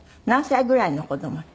何歳ぐらいの子供に？